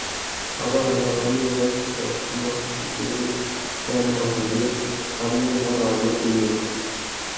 Abana bane bato bakina ku idubu ryamabuye hamwe nabantu inyuma